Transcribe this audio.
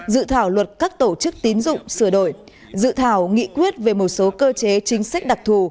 dự thảo luật các tổ chức tín dụng sửa đổi dự thảo nghị quyết về một số cơ chế chính sách đặc thù